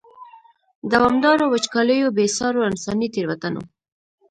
دوامدارو وچکالیو، بې سارو انساني تېروتنو.